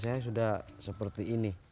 jadi kopinya sudah seperti ini